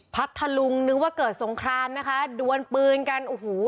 พัทธลุงนึกว่าเกิดสงครามนะคะดวนปืนกันโอ้โห